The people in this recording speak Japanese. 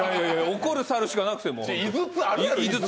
怒る猿しかなくて。